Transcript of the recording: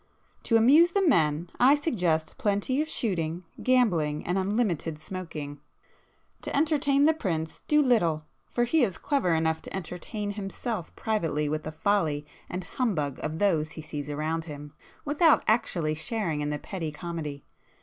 To amuse the men I suggest plenty of shooting, gambling, and unlimited smoking. To entertain the Prince, do little,—for he is clever enough to entertain himself privately with the folly and humbug of those he sees around him, without actually sharing in the petty comedy.